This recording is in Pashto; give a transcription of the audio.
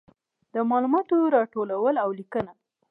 د معلوماتو راټولول او لیکنه.